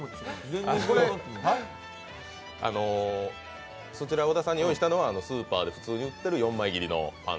これそちら小田さんに用意したのはスーパーで普通に売ってる４枚切りのパン。